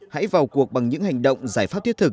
hãy vào cuộc bằng những hành động giải pháp thiết thực